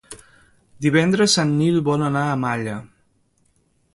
Divendres en Nil vol anar a Malla.